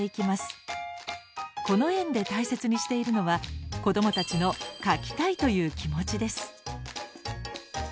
この園で大切にしているのは子どもたちの「描きたい！」という気持ちです。